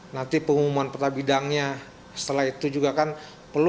nanti pengumuman petabidangnya setelah itu juga kan perlu